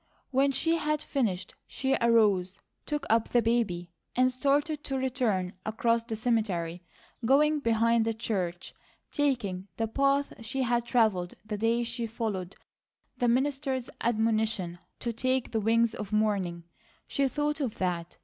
When she had finished she arose, took up the baby, and started to return across the cemetery, going behind the church, taking the path she had travelled the day she followed the minister's admonition to "take the wings of morning." She thought of that.